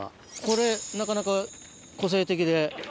これなかなか個性的で。